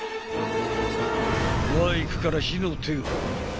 バイクから火の手が！